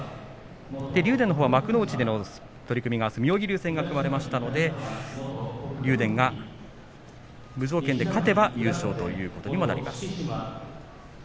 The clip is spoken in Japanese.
竜電、幕内の取組はあす妙義龍戦が組まれましたので竜電が無条件で勝てば優勝ということにもなります。